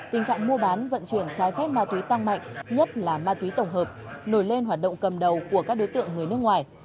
tình trạng mua bán vận chuyển trái phép ma túy tăng mạnh nhất là ma túy tổng hợp nổi lên hoạt động cầm đầu của các đối tượng người nước ngoài